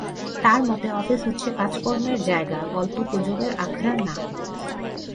তাঁর মতে অফিস হচ্ছে কাজকর্মের জায়গা, গল্পগুজবের আখড়া না।